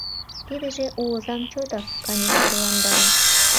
Тидыже у озам чотак каньысырландара.